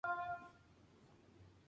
Para más visita